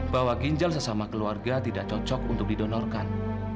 bahwa ginjal sesama keluarga tidak cocok untuk didonorkan